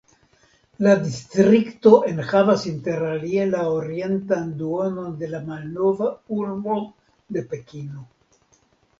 La distrikto enhavas interalie la orientan duonon de la malnova urbo de Pekino.